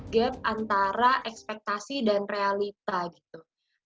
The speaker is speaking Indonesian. gap antara ekspektasi dan realita gitu